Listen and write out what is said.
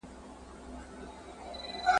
د روغتیا په اړه پوهه د هري مور لپاره اړینه ده.